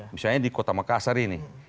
misalnya di kota makassar ini